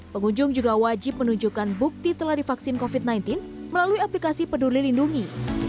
pengunjung juga wajib menunjukkan bukti telah divaksin covid sembilan belas melalui aplikasi peduli lindungi